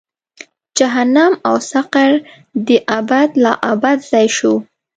جهنم او سقر دې ابد لا ابد ځای شو.